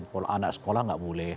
kalau anak sekolah nggak boleh